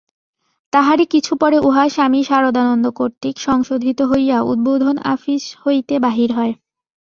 তাহারই কিছু পরে উহা স্বামী সারদানন্দ কর্তৃক সংশোধিত হইয়া উদ্বোধন আপিস হইতে বাহির হয়।